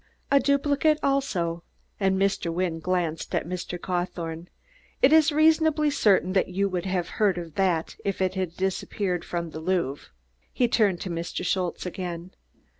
"A duplicate also," and Mr. Wynne glanced at Mr. Cawthorne. "It is reasonably certain that you would have heard of that if it had disappeared from the Louvre." He turned to Mr. Schultze again.